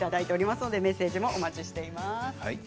メッセージもお待ちしています。